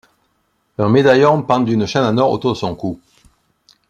Un médaillon pend d'une chaîne en or autour de son cou.